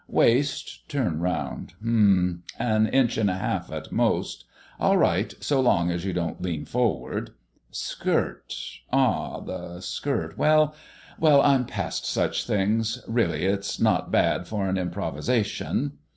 "Waist turn round hm! an inch and a half at most; all right so long as you don't lean forward. Skirt ah, the skirt well, well, I'm past such things. Really, it's not bad for an improvisation."